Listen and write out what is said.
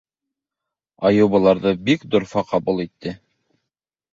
Айыу быларҙы бик дорфа ҡабул итте.